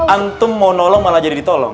antum mau nolong malah jadi ditolong